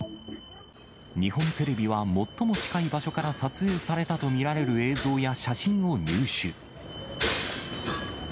日本テレビは最も近い場所から撮影されたと見られる映像や写真を入手。